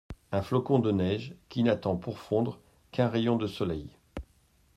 Un flocon de neige qui n'attend pour fondre qu'un rayon de soleil.